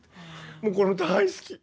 もうこれ大好き。